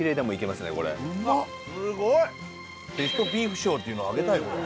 すごい！ベストビーフ賞っていうのをあげたいこれ。